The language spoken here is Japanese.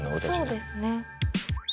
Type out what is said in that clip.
そうですね。